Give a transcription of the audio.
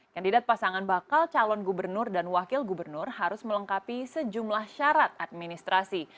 kandidat pasangan bakal calon gubernur dan wakil gubernur harus melengkapi sejumlah syarat administrasi